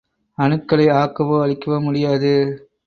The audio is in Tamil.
அணுக்களை ஆக்கவோ அழிக்கவோ முடியாது.